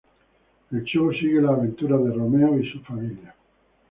El show sigue las aventuras de Romeo y su familia.